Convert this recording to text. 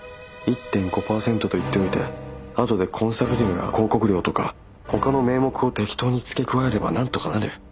１．５％と言っておいてあとでコンサル料や広告料とかほかの名目を適当に付け加えればなんとかなる。